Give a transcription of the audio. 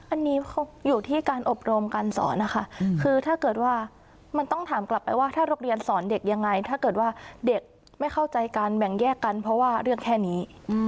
อันนี้เขาอยู่ที่การอบรมการสอนนะคะคือถ้าเกิดว่ามันต้องถามกลับไปว่าถ้าโรงเรียนสอนเด็กยังไงถ้าเกิดว่าเด็กไม่เข้าใจกันแบ่งแยกกันเพราะว่าเรื่องแค่นี้